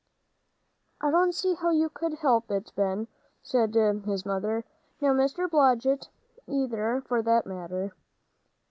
"I don't see how you could help it, Ben," said his mother, "nor Mr. Blodgett either, for that matter."